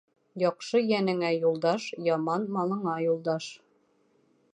Яҡшы йәнеңә юлдаш, яман малыңа юлдаш.